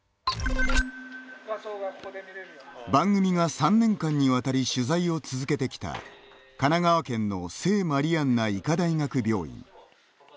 番組が３年間にわたり取材を続けてきた神奈川県の聖マリアンナ医科大学病院。